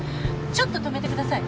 ちょっと止めてください。